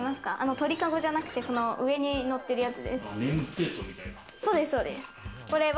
鳥かごじゃなくて上に乗ってるやつ。